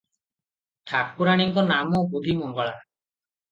ଠାକୁରାଣୀଙ୍କ ନାମ ବୁଢ଼ୀମଙ୍ଗଳା ।